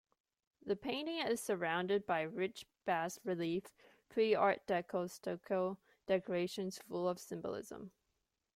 The painting is surrounded by rich bas-relief, pre-art deco stucco decorations full of symbolism.